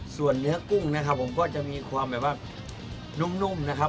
ส่วนเนื้อกุ้งนะครับผมก็จะมีความแบบว่านุ่มนะครับ